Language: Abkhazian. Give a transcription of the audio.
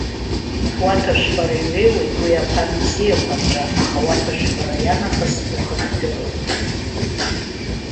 Уаҭәашәпара иҩеиуеит уи аԥан бзиақәа рҿы, аха уаҭәашәпара ианахыс ухынҳәыроуп.